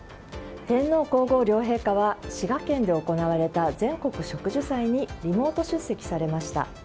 天皇・皇后両陛下は滋賀県で行われた全国植樹祭にリモート出席されました。